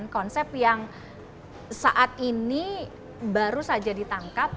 konsep yang saat ini baru saja ditangkap